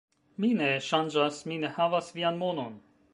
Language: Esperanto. Mi ne ŝanĝas, mi ne havas vian monon